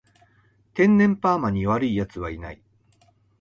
天然パーマに悪い奴はいない